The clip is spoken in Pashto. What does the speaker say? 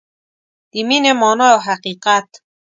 د مینې مانا او حقیقت